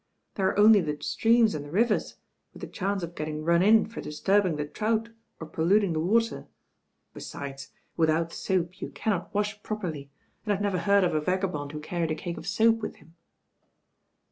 There are only the streams and the rivers, with the chance of getting run in for disturbing the trout or pollut ing the water. BesIJ"««, without soap you cannot 4f THE RAIN OIRL Wish properly, tnd I've never heard of a vagabond who carried a cake of soap with him."